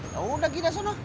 ya udah kita sana